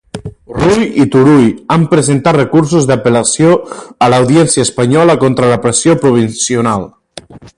Rull i Turull han presentat recursos d'apel·lació a l'Audiència espanyola contra la presó provisional.